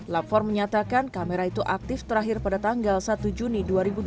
lapor menyatakan kamera itu aktif terakhir pada tanggal satu juni dua ribu dua puluh